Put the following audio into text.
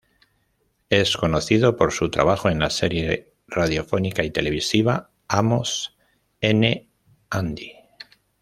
Es conocido por su trabajo en la serie radiofónica y televisiva "Amos 'n' Andy".